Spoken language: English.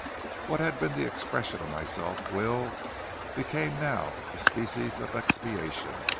What had been the expression of my self will, became now a species of expiation.